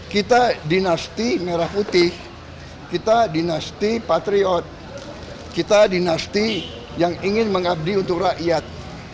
kita dinasti merah putih kita dinasti patriot kita dinasti yang ingin mengabdi untuk rakyat